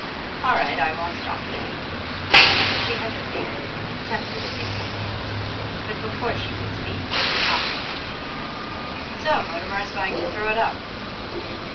All right, I won't stop you.' She hesitated, tempted to give some hint. But before she could speak, Alfred continued: 'So Mutimer's going to throw it up.